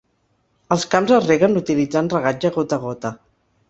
Els camps es reguen utilitzant regatge gota a gota.